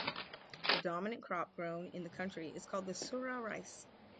The dominant crop grown in the country is called the Sura rice.